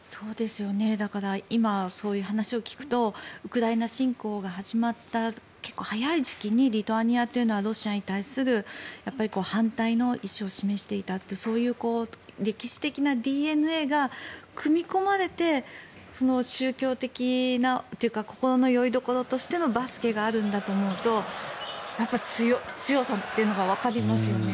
だから今そういう話を聞くとウクライナ侵攻が始まった結構早い時期にリトアニアというのはロシアに対する反対の意思を示していたというそういう歴史的なＤＮＡが組み込まれて宗教的なというか心のよりどころとしてのバスケがあるんだと思うと強さというのがわかりますよね